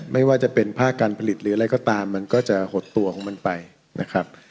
ไม่ว่าจะเป็นภาคการผลิตหรืออะไรก็ตามมันก็จะหดตัวของมันไปนะครับ